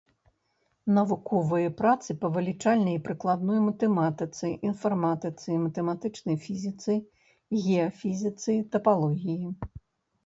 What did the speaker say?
Навуковыя працы па вылічальнай і прыкладной матэматыцы, інфарматыцы, матэматычнай фізіцы, геафізіцы, тапалогіі.